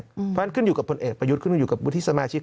เพราะฉะนั้นขึ้นอยู่กับพลเอกประยุทธ์ขึ้นอยู่กับวุฒิสมาชิก